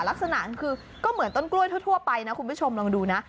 ลักษณะคือก็เหมือนต้นกล้วยทั่วไปนะคุณผู้ชมลองดูนะ